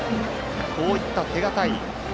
こういった手堅い攻撃。